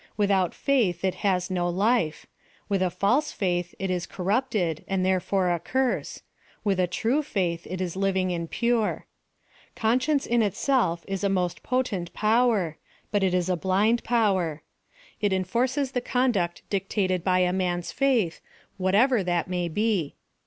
Without faith it has no life — with a false faith it is corrupted, and therefore a curse — with a tnie faith it is living and pure. Conscience in itself is PLAN OF SALVATION. 275 a most potent power, but it is a blind power. It enforces the conduct dictated by a man's faith, whatever that may be.